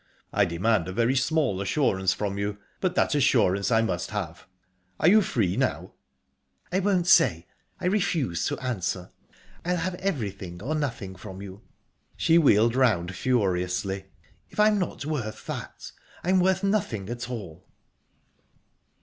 "I demand a very small assurance from you, but that assurance I must have. Are you free now?" "I won't say I refuse to answer. I'll have everything, or nothing from you." She wheeled round furiously. "If I'm not worth that, I'm worth nothing at all..."